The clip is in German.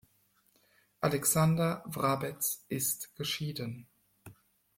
Alexander Wrabetz ist geschieden.